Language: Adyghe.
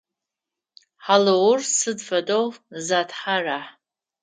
Хьалыгъур сыд фэдэу зетхьэра?